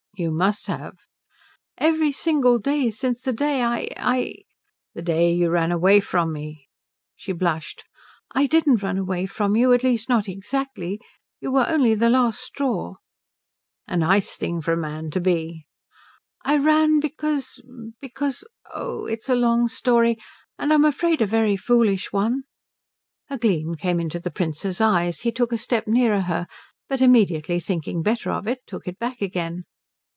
"You must have." "Every single day since the day I I " "The day you ran away from me." She blushed. "I didn't run away from you. At least, not exactly. You were only the last straw." "A nice thing for a man to be." "I ran because because oh, it's a long story, and I'm afraid a very foolish one." A gleam came into the Prince's eyes. He took a step nearer her, but immediately thinking better of it took it back again.